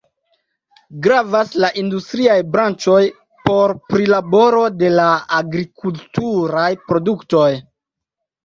Gravas la industriaj branĉoj por prilaboro de la agrikulturaj produktoj.